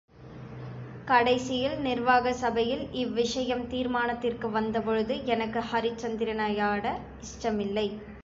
கடைசியில் நிர்வாக சபையில், இவ்விஷயம் தீர்மானத்திற்கு வந்தபொழுது, எனக்கு ஹரிச்சந்திரனாயாட இஷ்டமில்லை.